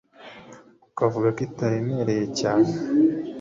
akavuga ko itaremereye cyane.